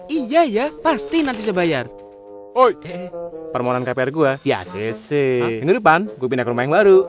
iya ya pasti nanti saya bayar permonan kpr gua ya sisi ngurupan gue pindah rumah yang baru